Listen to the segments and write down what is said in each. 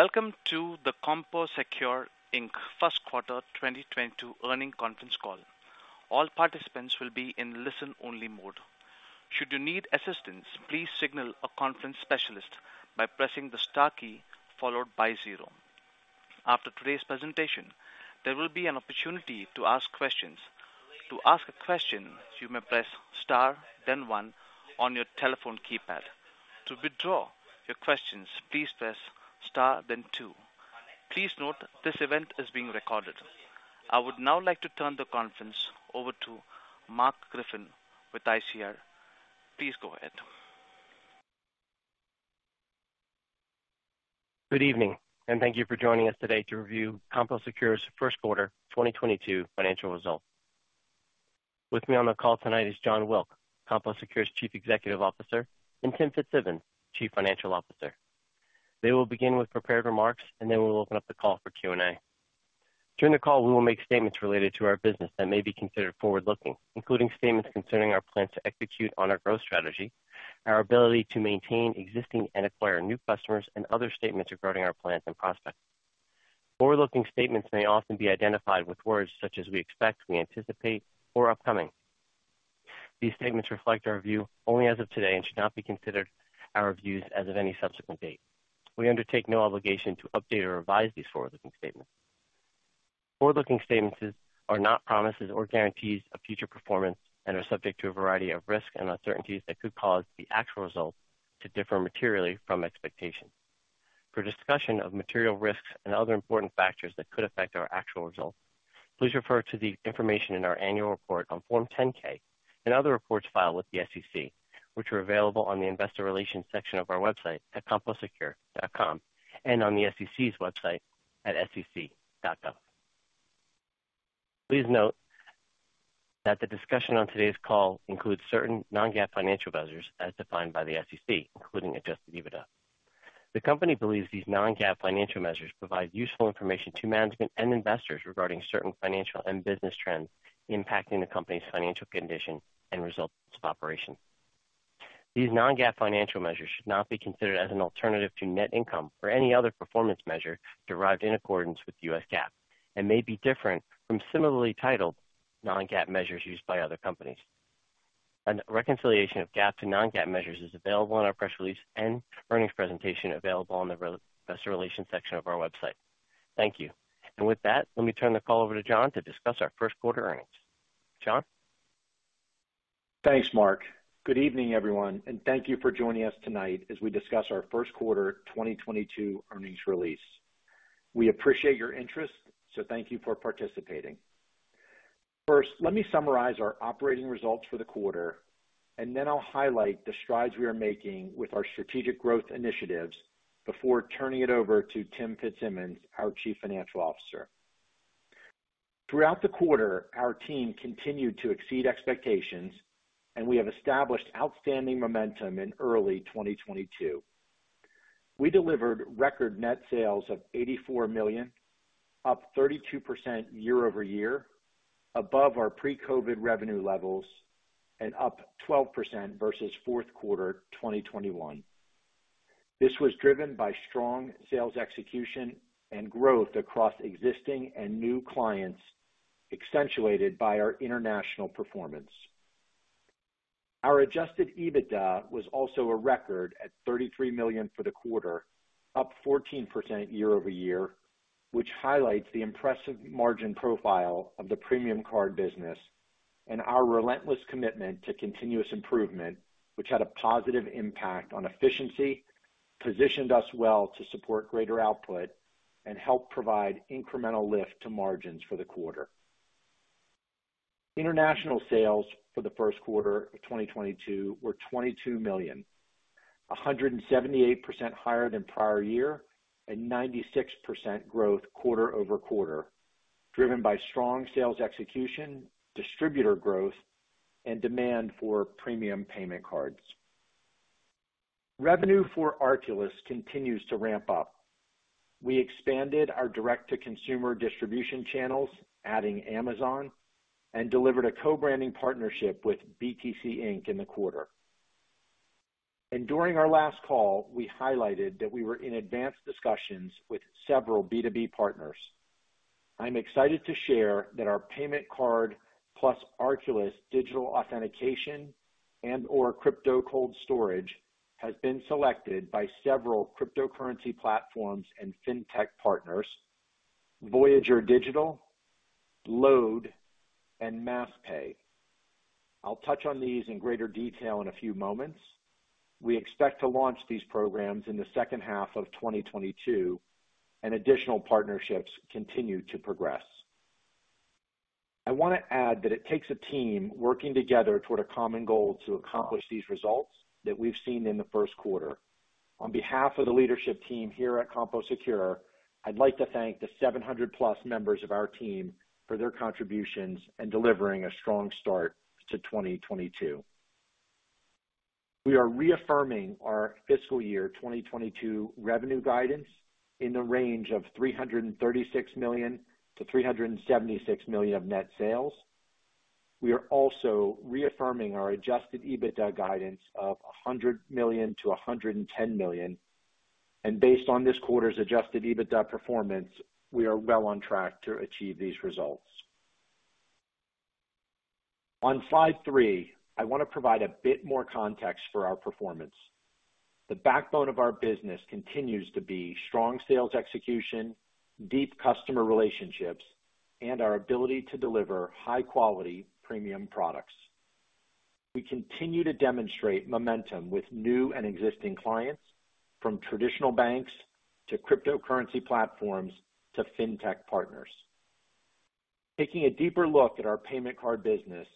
Welcome to the CompoSecure, Inc. Q1 2022 earnings conference call. All participants will be in listen-only mode. Should you need assistance, please signal a conference specialist by pressing the star key followed by zero. After today's presentation, there will be an opportunity to ask questions. To ask a question, you may press star then 1 on your telephone keypad. To withdraw your questions, please press star then 2. Please note this event is being recorded. I would now like to turn the conference over to Marc Griffin with ICR. Please go ahead. Good evening and thank you for joining us today to review CompoSecure's Q1 2022 financial results. With me on the call tonight is Jon Wilk, CompoSecure's Chief Executive Officer, and Tim Fitzsimmons, Chief Financial Officer. They will begin with prepared remarks and then we'll open up the call for Q&A. During the call, we will make statements related to our business that may be considered forward-looking, including statements concerning our plans to execute on our growth strategy, our ability to maintain existing and acquire new customers, and other statements regarding our plans and prospects. Forward-looking statements may often be identified with words such as we expect, we anticipate, or upcoming. These statements reflect our view only as of today and should not be considered our views as of any subsequent date. We undertake no obligation to update or revise these forward-looking statements. Forward-looking statements are not promises or guarantees of future performance and are subject to a variety of risks and uncertainties that could cause the actual results to differ materially from expectations. For discussion of material risks and other important factors that could affect our actual results, please refer to the information in our annual report on Form 10-K and other reports filed with the SEC, which are available on the investor relations section of our website at composecure.com and on the SEC's website at sec.gov. Please note that the discussion on today's call includes certain non-GAAP financial measures as defined by the SEC, including Adjusted EBITDA. The company believes these non-GAAP financial measures provide useful information to management and investors regarding certain financial and business trends impacting the company's financial condition and results of operations. These non-GAAP financial measures should not be considered as an alternative to net income or any other performance measure derived in accordance with US GAAP and may be different from similarly titled non-GAAP measures used by other companies. A reconciliation of GAAP to non-GAAP measures is available on our press release and earnings presentation available on the Investor Relations section of our website. Thank you. With that, let me turn the call over to Jon Wilk to discuss our Q1 earnings. Jon Wilk? Thanks, Marc. Good evening, everyone, and thank you for joining us tonight as we discuss our Q1 2022 earnings release. We appreciate your interest, so thank you for participating. First, let me summarize our operating results for the quarter, and then I'll highlight the strides we are making with our strategic growth initiatives before turning it over to Tim Fitzsimmons, our Chief Financial Officer. Throughout the quarter, our team continued to exceed expectations, and we have established outstanding momentum in early 2022. We delivered record net sales of $84 million, up 32% year-over-year above our pre-COVID revenue levels and up 12% versus Q4 2021. This was driven by strong sales execution and growth across existing and new clients, accentuated by our international performance. Our adjusted EBITDA was also a record at $33 million for the quarter, up 14% year-over-year, which highlights the impressive margin profile of the premium card business and our relentless commitment to continuous improvement, which had a positive impact on efficiency, positioned us well to support greater output and help provide incremental lift to margins for the quarter. International sales for the Q1 of 2022 were $22 million, 178% higher than prior year and 96% growth quarter-over-quarter, driven by strong sales execution, distributor growth, and demand for premium payment cards. Revenue for Arculus continues to ramp up. We expanded our direct-to-consumer distribution channels, adding Amazon, and delivered a co-branding partnership with BTC Inc. in the quarter. During our last call, we highlighted that we were in advanced discussions with several B2B partners. I'm excited to share that our payment card plus Arculus digital authentication and/or crypto cold storage has been selected by several cryptocurrency platforms and fintech partners, Voyager Digital, LODE, and MassPay. I'll touch on these in greater detail in a few moments. We expect to launch these programs in the H2 of 2022, and additional partnerships continue to progress. I wanna add that it takes a team working together toward a common goal to accomplish these results that we've seen in the Q1. On behalf of the leadership team here at CompoSecure, I'd like to thank the 700+ members of our team for their contributions in delivering a strong start to 2022. We are reaffirming our fiscal year 2022 revenue guidance in the range of $336 million-$376 million of net sales. We are also reaffirming our Adjusted EBITDA guidance of $100 million-$110 million. Based on this quarter's Adjusted EBITDA performance, we are well on track to achieve these results. On slide 3, I want to provide a bit more context for our performance. The backbone of our business continues to be strong sales execution, deep customer relationships, and our ability to deliver high-quality premium products. We continue to demonstrate momentum with new and existing clients, from traditional banks to cryptocurrency platforms to fintech partners. Taking a deeper look at our payment card business,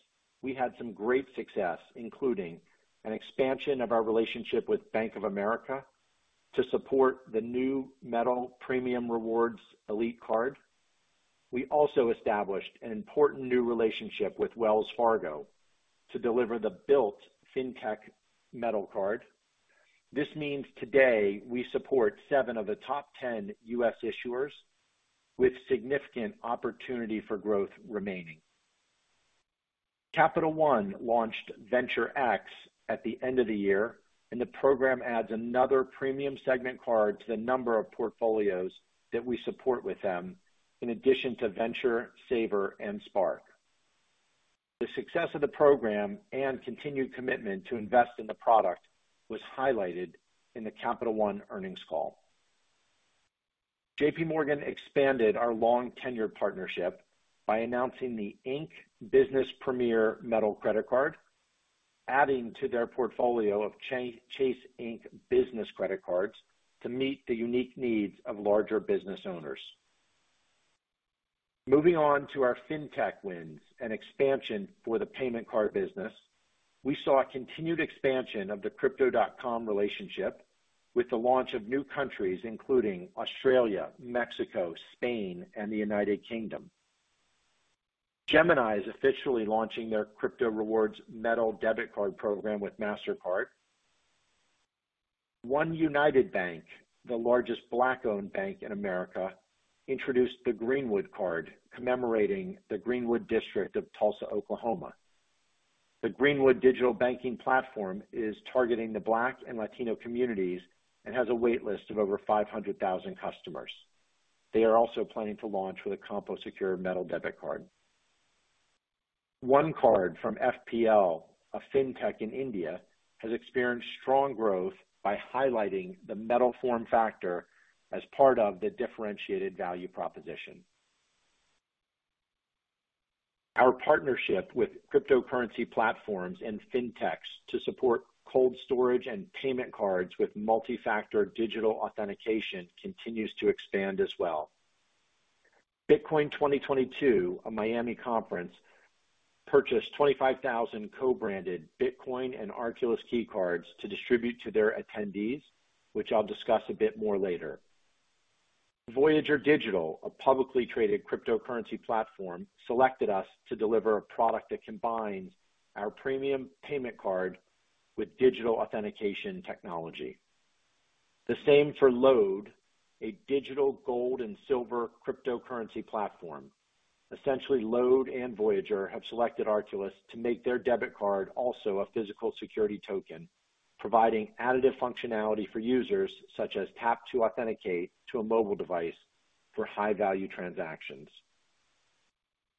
we had some great success, including an expansion of our relationship with Bank of America to support the new metal Premium Rewards Elite card. We also established an important new relationship with Wells Fargo to deliver the Bilt Fintech metal card. This means today we support 7 of the top 10 U.S. issuers with significant opportunity for growth remaining. Capital One launched Venture X at the end of the year, and the program adds another premium segment card to the number of portfolios that we support with them, in addition to Venture, Savor, and Spark. The success of the program and continued commitment to invest in the product was highlighted in the Capital One earnings call. JP Morgan expanded our long tenure partnership by announcing the Ink Business Premier metal credit card, adding to their portfolio of Chase Ink business credit cards to meet the unique needs of larger business owners. Moving on to our fintech wins and expansion for the payment card business. We saw a continued expansion of the Crypto.com relationship with the launch of new countries including Australia, Mexico, Spain, and the United Kingdom. Gemini is officially launching their crypto rewards metal debit card program with Mastercard. OneUnited Bank, the largest Black-owned bank in America, introduced the Greenwood Card commemorating the Greenwood District of Tulsa, Oklahoma. The Greenwood digital banking platform is targeting the Black and Latino communities and has a wait list of over 500,000 customers. They are also planning to launch with a CompoSecure metal debit card. OneCard from FPL, a fintech in India, has experienced strong growth by highlighting the metal form factor as part of the differentiated value proposition. Our partnership with cryptocurrency platforms and fintechs to support cold storage and payment cards with multi-factor digital authentication continues to expand as well. Bitcoin 2022, a Miami conference, purchased 25,000 co-branded Bitcoin and Arculus Key Cards to distribute to their attendees, which I'll discuss a bit more later. Voyager Digital, a publicly traded cryptocurrency platform, selected us to deliver a product that combines our premium payment card with digital authentication technology. The same for LODE, a digital gold and silver cryptocurrency platform. Essentially, LODE and Voyager have selected Arculus to make their debit card also a physical security token, providing additive functionality for users such as tap to authenticate to a mobile device for high-value transactions.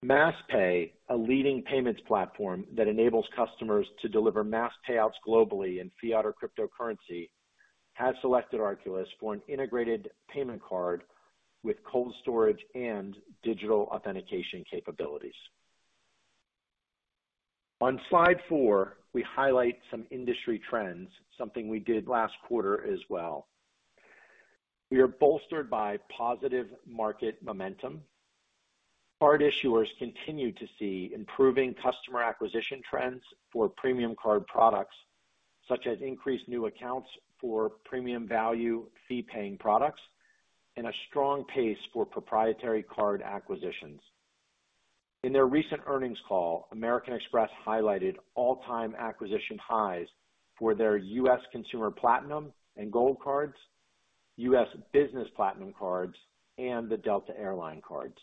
MassPay, a leading payments platform that enables customers to deliver mass payouts globally in fiat or cryptocurrency, has selected Arculus for an integrated payment card with cold storage and digital authentication capabilities. On slide 4, we highlight some industry trends, something we did last quarter as well. We are bolstered by positive market momentum. Card issuers continue to see improving customer acquisition trends for premium card products, such as increased new accounts for premium value fee-paying products and a strong pace for proprietary card acquisitions. In their recent earnings call, American Express highlighted all-time acquisition highs for their US consumer Platinum and Gold cards, US Business Platinum cards, and the Delta Air Lines cards.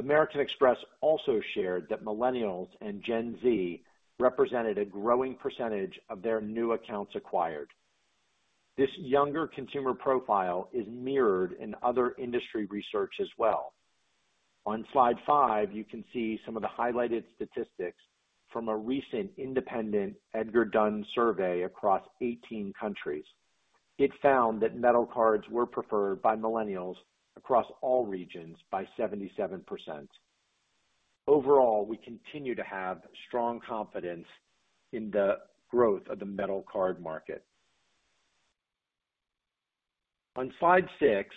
American Express also shared that Millennials and Gen Z represented a growing percentage of their new accounts acquired. This younger consumer profile is mirrored in other industry research as well. On slide 5, you can see some of the highlighted statistics from a recent independent Edgar, Dunn & Company survey across 18 countries. It found that metal cards were preferred by Millennials across all regions by 77%. Overall, we continue to have strong confidence in the growth of the metal card market. On slide 6,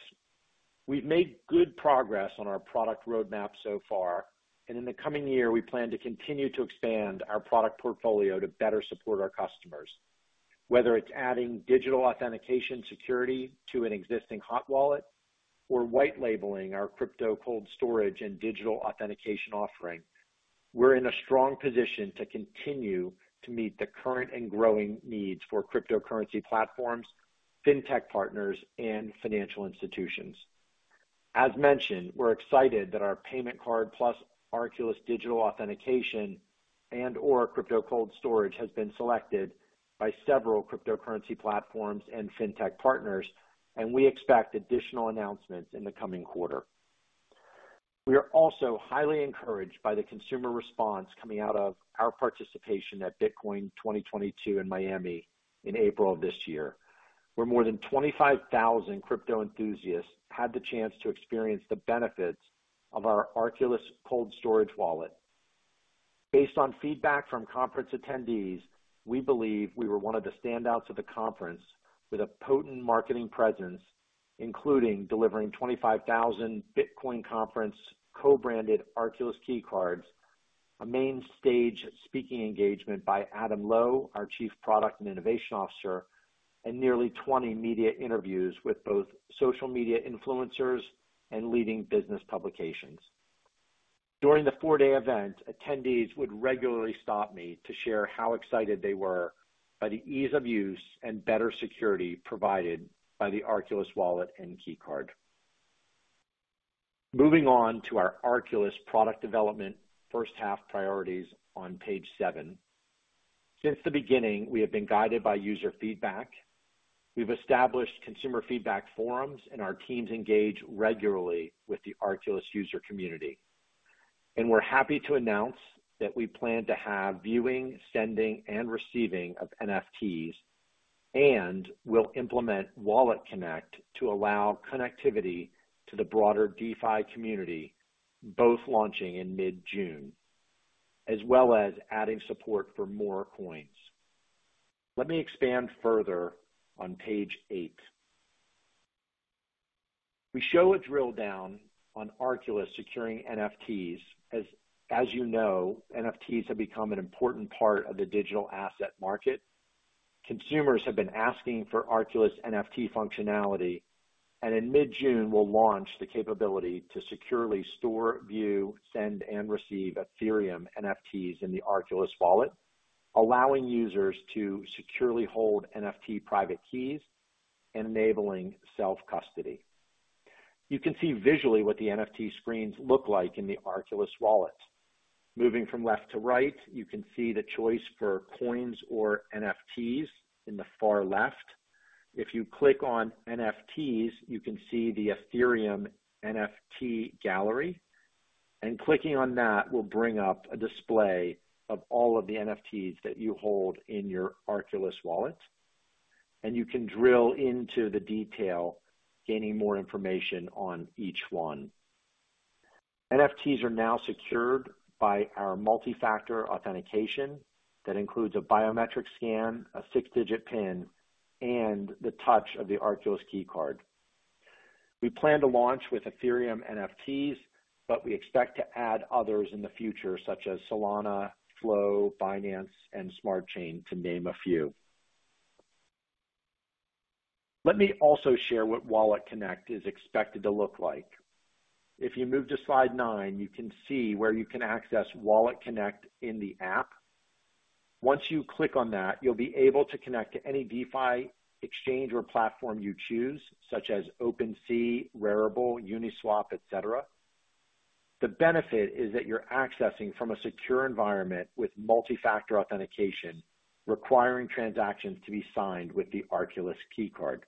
we've made good progress on our product roadmap so far, and in the coming year, we plan to continue to expand our product portfolio to better support our customers. Whether it's adding digital authentication security to an existing hot wallet or white labeling our crypto cold storage and digital authentication offering, we're in a strong position to continue to meet the current and growing needs for cryptocurrency platforms, fintech partners, and financial institutions. As mentioned, we're excited that our payment card plus Arculus digital authentication and or crypto cold storage has been selected by several cryptocurrency platforms and fintech partners, and we expect additional announcements in the coming quarter. We are also highly encouraged by the consumer response coming out of our participation at Bitcoin 2022 in Miami in April of this year, where more than 25,000 crypto enthusiasts had the chance to experience the benefits of our Arculus cold storage wallet. Based on feedback from conference attendees, we believe we were 1 of the standouts of the conference with a potent marketing presence, including delivering 25,000 Bitcoin Conference co-branded Arculus Key Cards, a main stage speaking engagement by Adam Lowe, our Chief Product and Innovation Officer, and nearly 20 media interviews with both social media influencers and leading business publications. During the 4-day event, attendees would regularly stop me to share how excited they were by the ease of use and better security provided by the Arculus wallet and Key Card. Moving on to our Arculus product development H1 priorities on page 7. Since the beginning, we have been guided by user feedback. We've established consumer feedback forums, and our teams engage regularly with the Arculus user community. We're happy to announce that we plan to have viewing, sending, and receiving of NFTs, and we'll implement WalletConnect to allow connectivity to the broader DeFi community, both launching in mid-June, as well as adding support for more coins. Let me expand further on page 8. We show a drill down on Arculus securing NFTs. As you know, NFTs have become an important part of the digital asset market. Consumers have been asking for Arculus NFT functionality, and in mid-June, we'll launch the capability to securely store, view, send, and receive Ethereum NFTs in the Arculus wallet, allowing users to securely hold NFT private keys and enabling self-custody. You can see visually what the NFT screens look like in the Arculus wallet. Moving from left to right, you can see the choice for coins or NFTs in the far left. If you click on NFTs, you can see the Ethereum NFT gallery. Clicking on that will bring up a display of all of the NFTs that you hold in your Arculus wallet, and you can drill into the detail, gaining more information on each one. NFTs are now secured by our multi-factor authentication that includes a biometric scan, a 6-digit pin, and the touch of the Arculus Key Card. We plan to launch with Ethereum NFTs, but we expect to add others in the future, such as Solana, Flow, Binance Smart Chain, to name a few. Let me also share what WalletConnect is expected to look like. If you move to slide 9, you can see where you can access WalletConnect in the app. Once you click on that, you'll be able to connect to any DeFi exchange or platform you choose, such as OpenSea, Rarible, Uniswap, et cetera. The benefit is that you're accessing from a secure environment with multi-factor authentication, requiring transactions to be signed with the Arculus Key Card.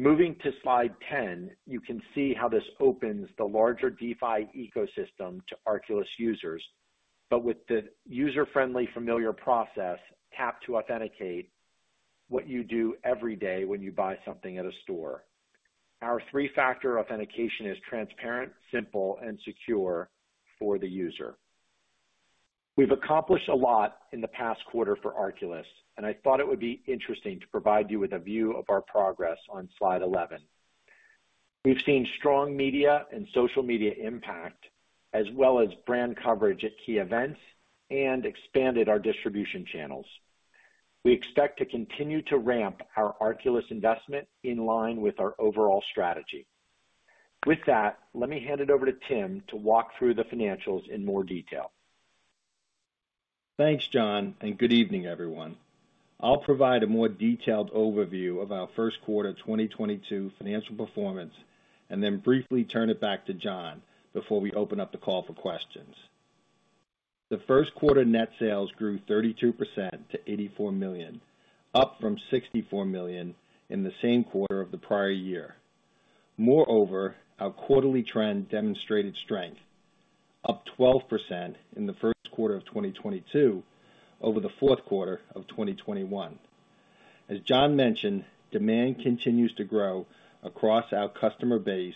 Moving to slide 10, you can see how this opens the larger DeFi ecosystem to Arculus users, but with the user-friendly, familiar process, tap to authenticate what you do every day when you buy something at a store. Our 3-factor authentication is transparent, simple and secure for the user. We've accomplished a lot in the past quarter for Arculus, and I thought it would be interesting to provide you with a view of our progress on slide 11. We've seen strong media and social media impact, as well as brand coverage at key events and expanded our distribution channels. We expect to continue to ramp our Arculus investment in line with our overall strategy. With that, let me hand it over to Tim to walk through the financials in more detail. Thanks, Jon, and good evening, everyone. I'll provide a more detailed overview of our Q1 2022 financial performance and then briefly turn it back to Jon before we open up the call for questions. The Q1 net sales grew 32% to $84 million, up from $64 million in the same quarter of the prior year. Moreover, our quarterly trend demonstrated strength, up 12% in the Q1 of 2022 over the Q4 of 2021. As Jon mentioned, demand continues to grow across our customer base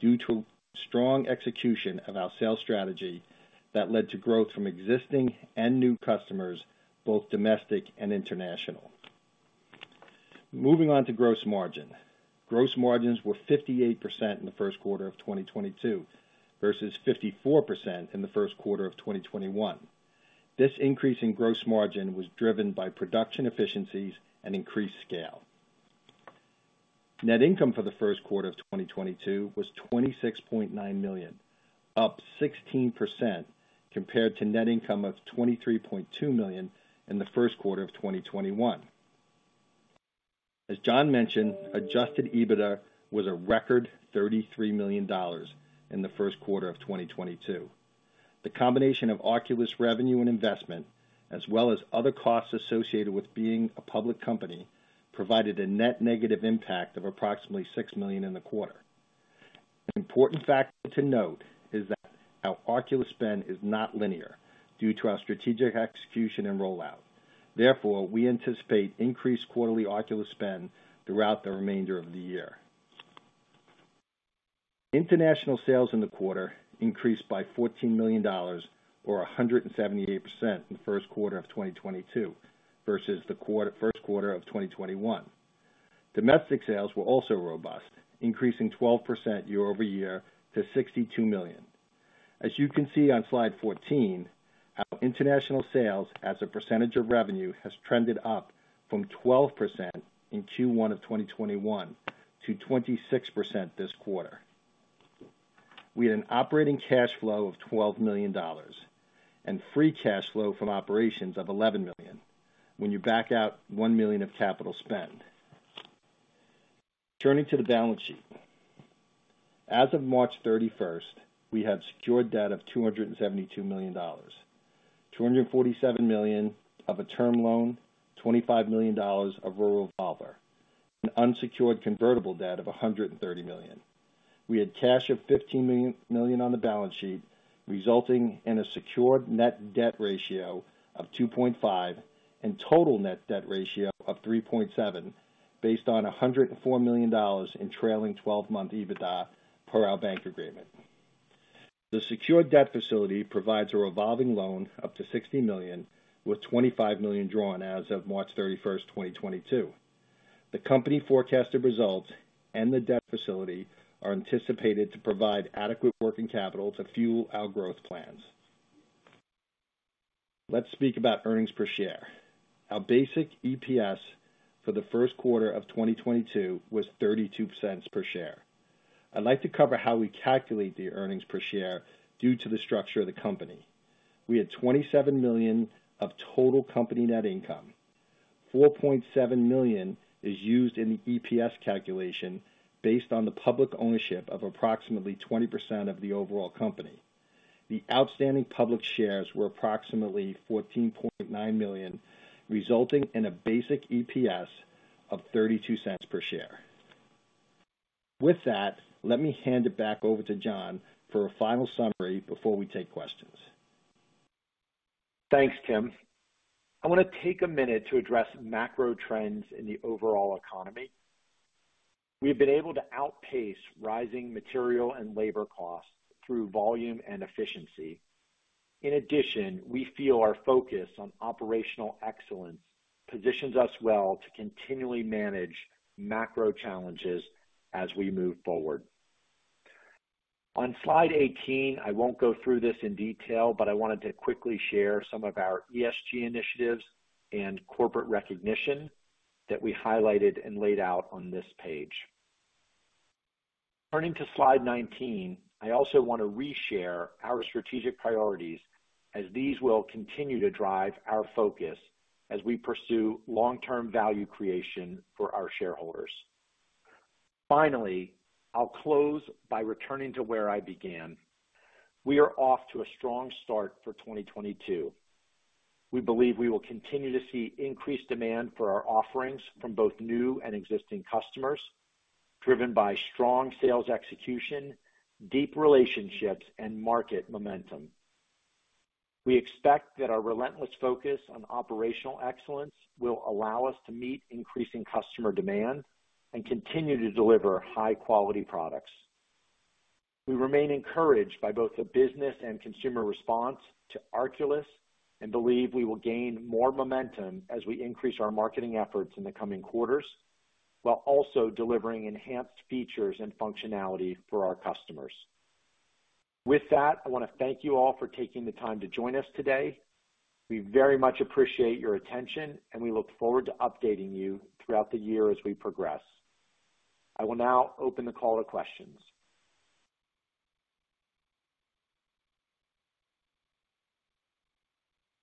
due to strong execution of our sales strategy that led to growth from existing and new customers, both domestic and international. Moving on to gross margin. Gross margins were 58% in the Q1 of 2022 versus 54% in the Q1 of 2021. This increase in gross margin was driven by production efficiencies and increased scale. Net income for the Q1 of 2022 was $26.9 million. Up 16% compared to net income of $23.2 million in the Q1 of 2021. As John mentioned, adjusted EBITDA was a record $33 million in the Q1 of 2022. The combination of Arculus revenue and investment, as well as other costs associated with being a public company, provided a net negative impact of approximately $6 million in the quarter. An important factor to note is that our Arculus spend is not linear due to our strategic execution and rollout. Therefore, we anticipate increased quarterly Arculus spend throughout the remainder of the year. International sales in the quarter increased by $14 million, or 178% in the Q1 of 2022 versus Q1 of 2021. Domestic sales were also robust, increasing 12% year-over-year to $62 million. As you can see on slide 14, our international sales as a percentage of revenue has trended up from 12% in Q1 of 2021 to 26% this quarter. We had an operating cash flow of $12 million and free cash flow from operations of $11 million when you back out $1 million of capital spend. Turning to the balance sheet. As of March 31, we had secured debt of $272 million, $247 million of a term loan, $25 million of revolving, an unsecured convertible debt of $130 million. We had cash of $15 million on the balance sheet, resulting in a secured net debt ratio of 2.5 and total net debt ratio of 3.7 based on $104 million in trailing 12-month EBITDA per our bank agreement. The secured debt facility provides a revolving loan up to $60 million, with $25 million drawn as of March 31, 2022. The company forecasted results and the debt facility are anticipated to provide adequate working capital to fuel our growth plans. Let's speak about earnings per share. Our basic EPS for the Q1 of 2022 was $0.32 per share. I'd like to cover how we calculate the earnings per share due to the structure of the company. We had $27 million of total company net income. 4.7 million is used in the EPS calculation based on the public ownership of approximately 20% of the overall company. The outstanding public shares were approximately 14.9 million, resulting in a basic EPS of $0.32 per share. With that, let me hand it back over to Jon for a final summary before we take questions. Thanks, Tim. I want to take a minute to address macro trends in the overall economy. We have been able to outpace rising material and labor costs through volume and efficiency. In addition, we feel our focus on operational excellence positions us well to continually manage macro challenges as we move forward. On slide 18, I won't go through this in detail, but I wanted to quickly share some of our ESG initiatives and corporate recognition that we highlighted and laid out on this page. Turning to slide 19, I also want to re-share our strategic priorities as these will continue to drive our focus as we pursue long-term value creation for our shareholders. Finally, I'll close by returning to where I began. We are off to a strong start for 2022. We believe we will continue to see increased demand for our offerings from both new and existing customers, driven by strong sales execution, deep relationships, and market momentum. We expect that our relentless focus on operational excellence will allow us to meet increasing customer demand and continue to deliver high-quality products. We remain encouraged by both the business and consumer response to Arculus, and believe we will gain more momentum as we increase our marketing efforts in the coming quarters, while also delivering enhanced features and functionality for our customers. With that, I want to thank you all for taking the time to join us today. We very much appreciate your attention, and we look forward to updating you throughout the year as we progress. I will now open the call to questions.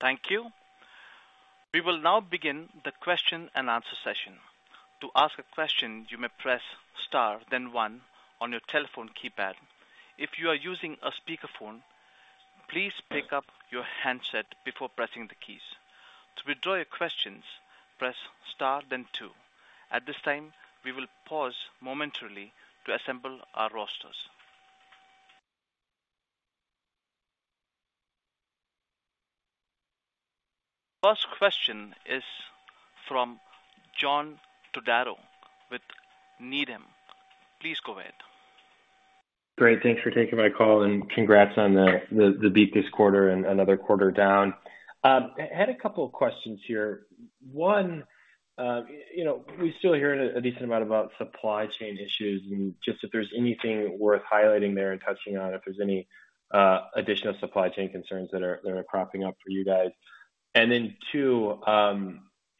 Thank you. We will now begin the question and answer session. To ask a question, you may press star then 1 on your telephone keypad. If you are using a speakerphone, please pick up your handset before pressing the keys. To withdraw your questions, press star then 2. At this time, we will pause momentarily to assemble our rosters. First question is from John Todaro with Needham. Please go ahead. Great. Thanks for taking my call and congrats on the beat this quarter and another quarter down. I had a couple of questions here. 1, you know, we still hear a decent amount about supply chain issues and just if there's anything worth highlighting there and touching on, if there's any additional supply chain concerns that are cropping up for you guys. Then 2,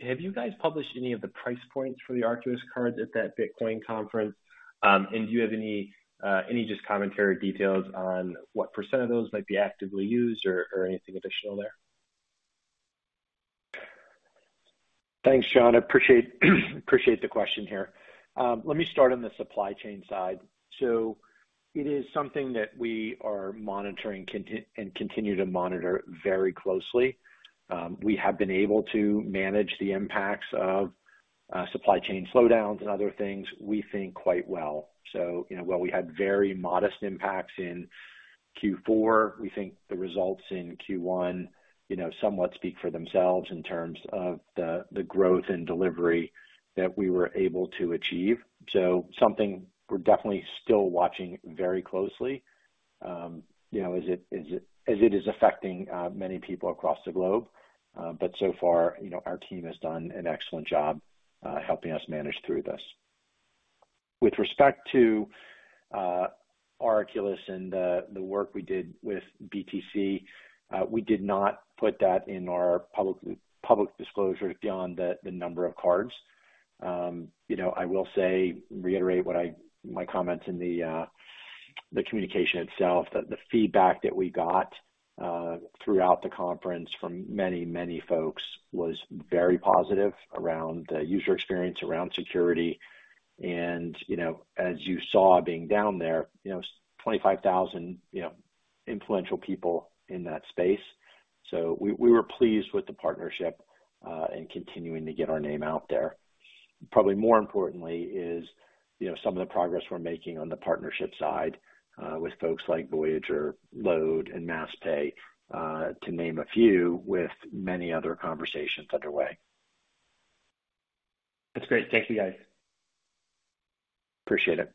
have you guys published any of the price points for the Arculus cards at that Bitcoin conference? Do you have any just commentary details on what % of those might be actively used or anything additional there? Thanks, John. I appreciate the question here. Let me start on the supply chain side. It is something that we are monitoring and continue to monitor very closely. We have been able to manage the impacts of supply chain slowdowns and other things we think quite well. You know, while we had very modest impacts in Q4, we think the results in Q1 somewhat speak for themselves in terms of the growth and delivery that we were able to achieve. Something we're definitely still watching very closely, you know, as it is affecting many people across the globe. But so far, you know, our team has done an excellent job helping us manage through this. With respect to Arculus and the work we did with BTC, we did not put that in our public disclosure beyond the number of cards. You know, I will reiterate my comments in the communication itself, that the feedback that we got throughout the conference from many folks was very positive around the user experience, around security. You know, as you saw being down there, you know, 25,000, you know, influential people in that space. We were pleased with the partnership and continuing to get our name out there. Probably more importantly is, you know, some of the progress we're making on the partnership side, with folks like Voyager, LODE, and MassPay, to name a few, with many other conversations underway. That's great. Thank you, guys. Appreciate it.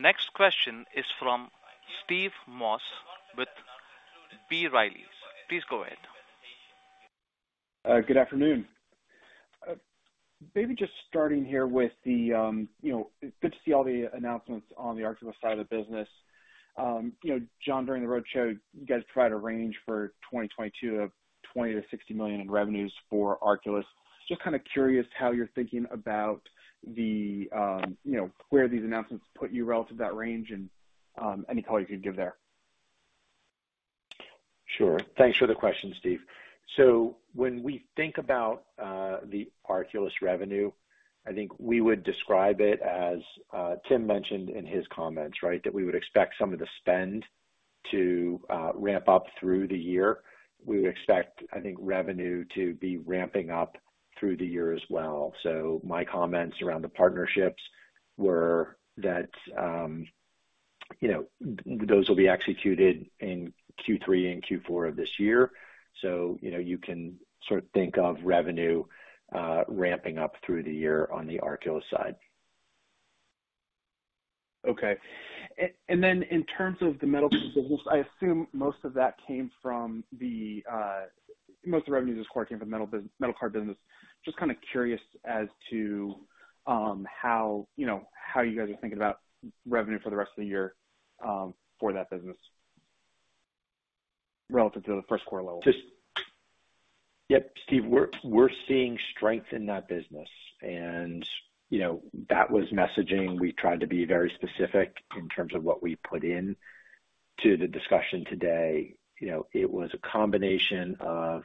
Next question is from Steve Moss with B. Riley. Please go ahead. Good afternoon. Maybe just starting here with the, you know, it's good to see all the announcements on the Arculus side of the business. You know, Jon, during the roadshow, you guys tried a range for 2022 of $20 million-$60 million in revenues for Arculus. Just kinda curious how you're thinking about the, you know, where these announcements put you relative to that range and any color you could give there. Sure. Thanks for the question, Steve. When we think about the Arculus revenue, I think we would describe it as Tim mentioned in his comments, right? That we would expect some of the spend to ramp up through the year. We would expect, I think, revenue to be ramping up through the year as well. My comments around the partnerships were that you know those will be executed in Q3 and Q4 of this year. You know you can sort of think of revenue ramping up through the year on the Arculus side. Okay. In terms of the metal business, I assume most of that came from the most of the revenues this quarter came from metal card business. Just kinda curious as to how you know how you guys are thinking about revenue for the rest of the year for that business relative to the Q1 level. Yep, Steve, we're seeing strength in that business. You know, that was messaging. We tried to be very specific in terms of what we put in to the discussion today. You know, it was a combination of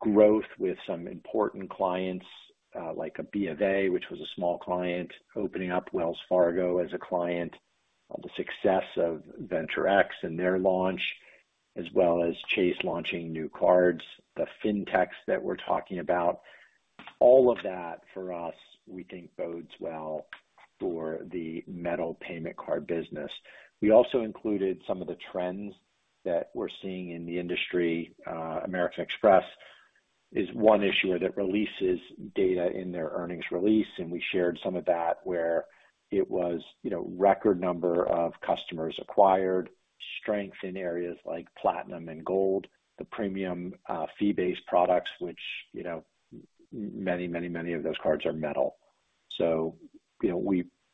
growth with some important clients like a B of A, which was a small client, opening up Wells Fargo as a client, the success of Venture X and their launch, as well as Chase launching new cards, the fintechs that we're talking about. All of that for us, we think bodes well for the metal payment card business. We also included some of the trends that we're seeing in the industry. American Express is 1 issuer that releases data in their earnings release, and we shared some of that where it was, you know, record number of customers acquired, strength in areas like Platinum and Gold, the premium, fee-based products, which, you know, many of those cards are metal. You know,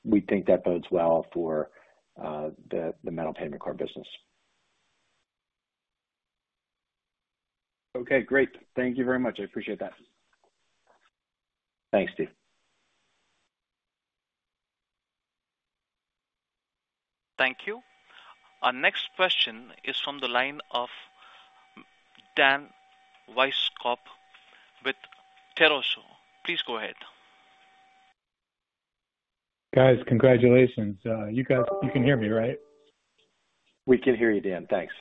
we think that bodes well for the metal payment card business. Okay, great. Thank you very much. I appreciate that. Thanks, Steve. Thank you. Our next question is from the line of Dan Weiskopf with Toroso. Please go ahead. Guys, congratulations. You guys, you can hear me, right? We can hear you, Dan. Thanks.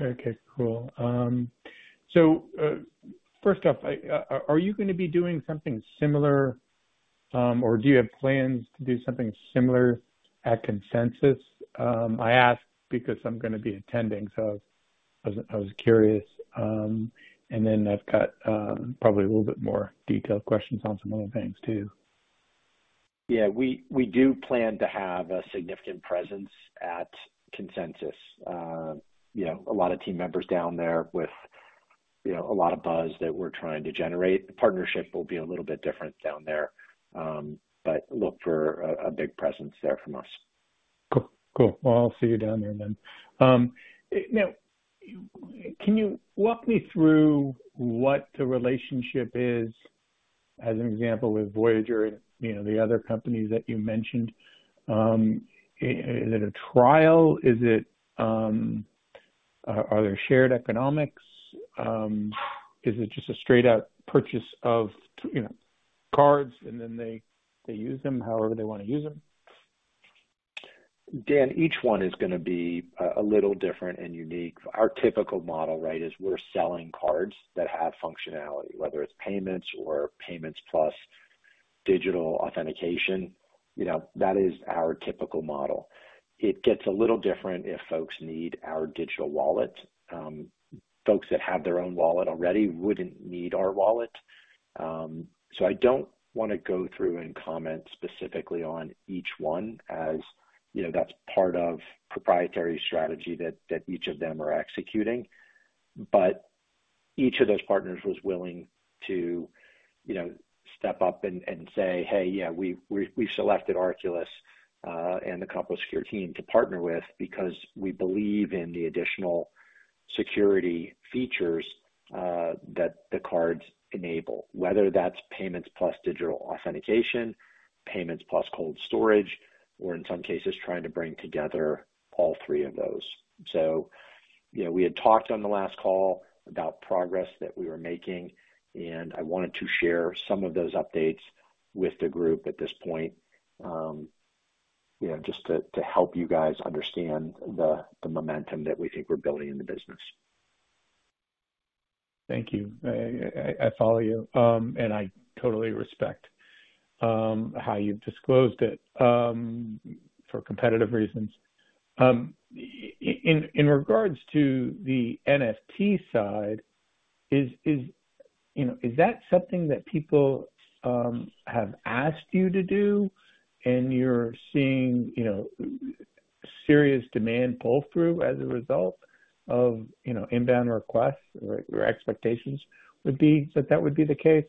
Okay, cool. First off, are you gonna be doing something similar, or do you have plans to do something similar at Consensus? I ask because I'm gonna be attending, so I was curious. I've got probably a little bit more detailed questions on some other things too. Yeah. We do plan to have a significant presence at Consensus. You know, a lot of team members down there with. You know, a lot of buzz that we're trying to generate. The partnership will be a little bit different down there, but look for a big presence there from us. Cool, cool. Well, I'll see you down there then. Now, can you walk me through what the relationship is as an example with Voyager and, you know, the other companies that you mentioned? Is it a trial? Are there shared economics? Is it just a straight out purchase of, you know, cards and then they use them however they wanna use them? Dan, each 1 is gonna be a little different and unique. Our typical model, right, is we're selling cards that have functionality, whether it's payments or payments plus digital authentication. You know, that is our typical model. It gets a little different if folks need our digital wallet. Folks that have their own wallet already wouldn't need our wallet. So I don't wanna go through and comment specifically on each 1 as, you know, that's part of proprietary strategy that each of them are executing. Each of those partners was willing to, you know, step up and say, "Hey, yeah, we've selected Arculus and the CompoSecure team to partner with because we believe in the additional security features that the cards enable, whether that's payments plus digital authentication, payments plus cold storage, or in some cases, trying to bring together all 3 of those." You know, we had talked on the last call about progress that we were making, and I wanted to share some of those updates with the group at this point, you know, just to help you guys understand the momentum that we think we're building in the business. Thank you. I follow you. I totally respect how you've disclosed it for competitive reasons. In regards to the NFT side, is that something that people have asked you to do and you're seeing serious demand pull through as a result of inbound requests or expectations would be that that would be the case?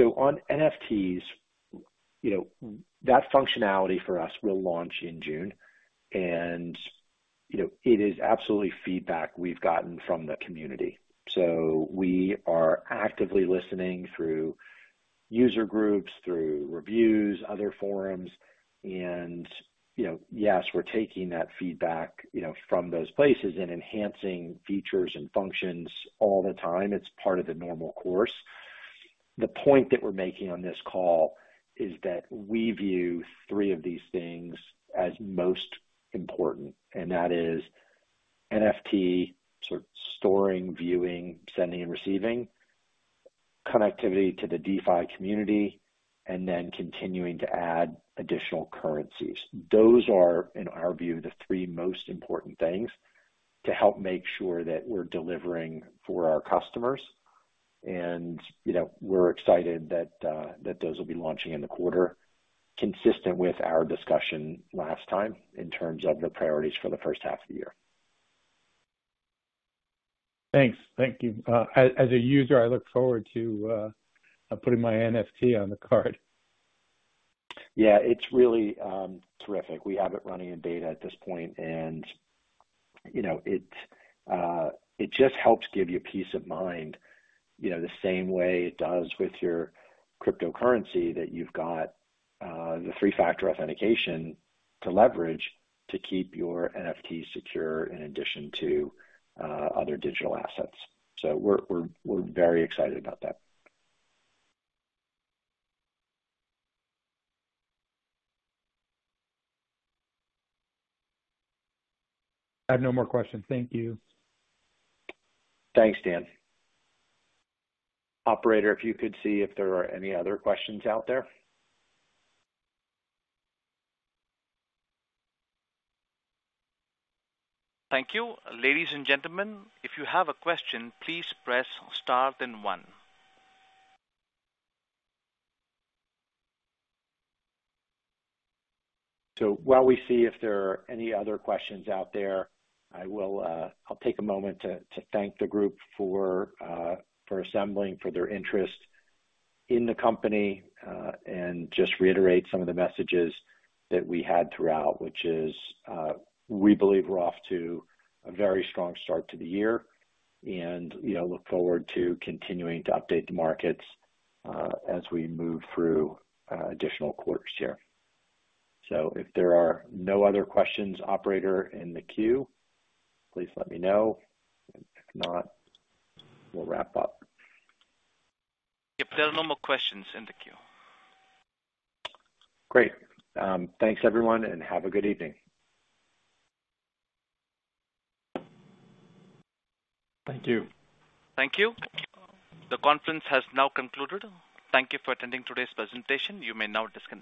On NFTs, you know, that functionality for us will launch in June. You know, it is absolutely feedback we've gotten from the community. We are actively listening through user groups, through reviews, other forums, and, you know, yes, we're taking that feedback, you know, from those places and enhancing features and functions all the time. It's part of the normal course. The point that we're making on this call is that we view 3 of these things as most important, and that is NFT sort of storing, viewing, sending, and receiving, connectivity to the DeFi community, and then continuing to add additional currencies. Those are, in our view, the 3 most important things to help make sure that we're delivering for our customers. You know, we're excited that those will be launching in the quarter consistent with our discussion last time in terms of the priorities for the H1 of the year. Thanks. Thank you. As a user, I look forward to putting my NFT on the card. Yeah, it's really terrific. We have it running in beta at this point and, you know, it just helps give you peace of mind, you know, the same way it does with your cryptocurrency that you've got the 3-factor authentication to leverage to keep your NFT secure in addition to other digital assets. We're very excited about that. I have no more questions. Thank you. Thanks, Dan. Operator, if you could see if there are any other questions out there. Thank you. Ladies and gentlemen, if you have a question, please press star, then one. While we see if there are any other questions out there, I'll take a moment to thank the group for assembling, for their interest in the company, and just reiterate some of the messages that we had throughout, which is, we believe we're off to a very strong start to the year and, you know, look forward to continuing to update the markets, as we move through additional quarters here. If there are no other questions, operator, in the queue, please let me know. If not, we'll wrap up. Yep. There are no more questions in the queue. Great. Thanks everyone, and have a good evening. Thank you. Thank you. The conference has now concluded. Thank you for attending today's presentation. You may now disconnect.